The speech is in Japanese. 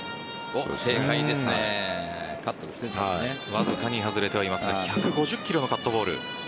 わずかに外れてはいますが１５０キロのカットボール。